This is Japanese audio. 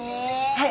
はい。